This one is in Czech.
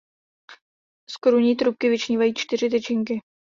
Z korunní trubky vyčnívají čtyři tyčinky.